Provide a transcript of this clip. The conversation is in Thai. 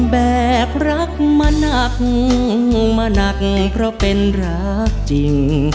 แบกรักมาหนักมาหนักเพราะเป็นรักจริง